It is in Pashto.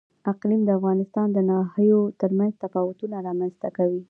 اقلیم د افغانستان د ناحیو ترمنځ تفاوتونه رامنځ ته کوي.